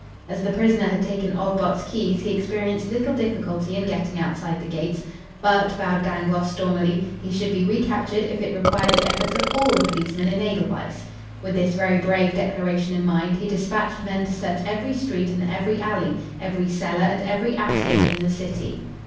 As the prisoner had taken Ogbot's keys he experienced little difficulty in getting outside the gates. But, vowed Dangloss stormily, he should be recaptured if it required the efforts of all the policemen in Edelweiss. With this very brave declaration in mind he despatched men to search every street and every alley, every cellar and every attic in the city.